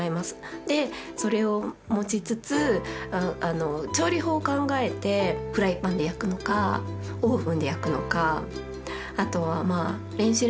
でそれを持ちつつ調理法を考えてフライパンで焼くのかオーブンで焼くのかあとは電子レンジで蒸すっていう方法もあるし